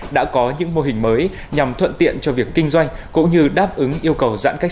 đã có những mô hình mới nhằm thuận tiện cho việc kinh doanh